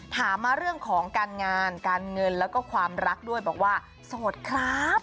ถามมาเรื่องของการงานการเงินแล้วก็ความรักด้วยบอกว่าโสดครับ